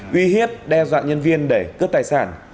uy hiếp đe dọa nhân viên để cướp tài sản